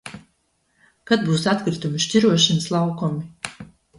Kad būs atkritumi šķirošanas laukumi?